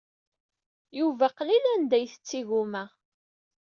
Yuba qlil anda i isett igumma.